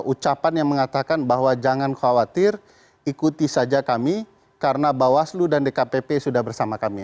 ucapan yang mengatakan bahwa jangan khawatir ikuti saja kami karena bawaslu dan dkpp sudah bersama kami